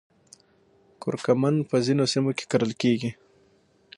کورکمن په ځینو سیمو کې کرل کیږي